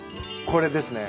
これですね。